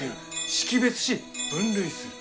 識別し分類する。